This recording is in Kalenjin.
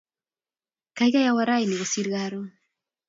kaikai awo raini kosir karon.